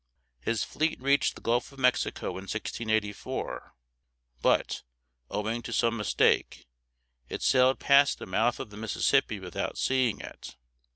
His fleet reached the Gulf of Mexico in 1684; but, owing to some mistake, it sailed past the mouth of the Mississippi without seeing it.